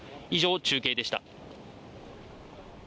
以上、中継でした。